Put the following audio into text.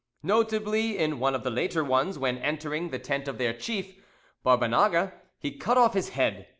] notably in one of the later ones, when, entering the tent of their chief, Barbanaga, he cut off his head.